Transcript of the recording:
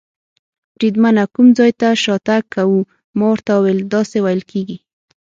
بریدمنه، کوم ځای ته شاتګ کوو؟ ما ورته وویل: داسې وېل کېږي.